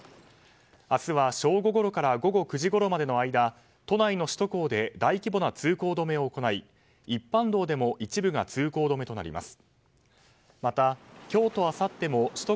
明日は正午ごろから午後９時ごろまでの間都内の首都高で大規模な通行止めを行い一般道でも一部が通行止めとなります。